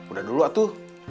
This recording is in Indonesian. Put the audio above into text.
udah dulu atu